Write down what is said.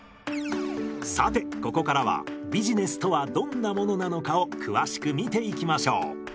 さてここからはビジネスとはどんなものなのかを詳しく見ていきましょう。